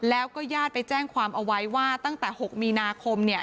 แล้วก็ญาติไปแจ้งความเอาไว้ว่าตั้งแต่๖มีนาคม